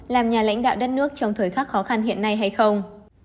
làm nhà lãnh đạo đất nước trong thời khắc khó khăn hiện nay hay không